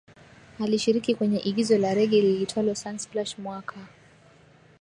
Alishiriki kwenye igizo la rege liitwalo Sunsplash mwaka